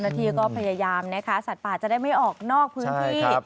ที่ก็พยายามนะคะสัตว์ป่าจะได้ไม่ออกนอกพื้นที่